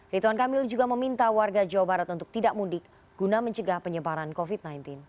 rituan kamil juga meminta warga jawa barat untuk tidak mudik guna mencegah penyebaran covid sembilan belas